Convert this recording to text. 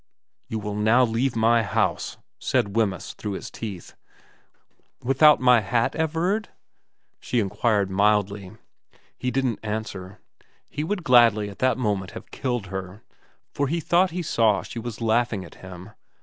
' You will now leave my house,' said Wemyss through his teeth. * Without my hat, Everard ?' she inquired mildly. He didn't answer. He would gladly at that moment have killed her, for he thought he saw she was laughing at him.